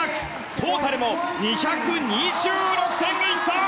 トータルも２２６．１３！